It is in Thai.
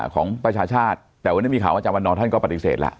ของประชาชาติแต่วันนี้มีข่าวอาจารย์วันนอร์ท่านก็ปฏิเสธแล้ว